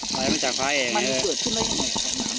ไหลมาจากภาคแอดเลยมันเกิดขึ้นได้ยังไงครับน้ำเนี้ย